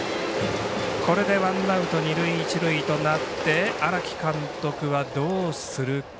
これでワンアウト二塁、一塁となって荒木監督はどうするか。